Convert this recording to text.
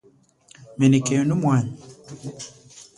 Menekenu mwanyi.